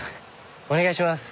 お願いします。